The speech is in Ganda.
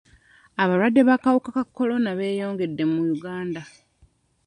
Abalwadde b'akawuka ka kolona beeyongedde mu Uganda.